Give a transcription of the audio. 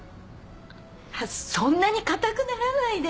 そんなに硬くならないで！